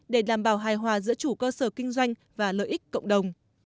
để đảm bảo hài hòa giữa chủ cơ sở kinh doanh và lợi ích cộng đồng